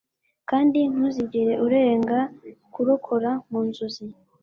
Kandi ntuzigere urenga kurokora mu nzozi.